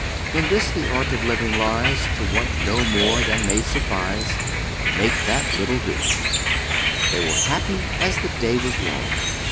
In this the art of living lies, To want no more than may suffice, And make that little do." They were as happy as the day was long.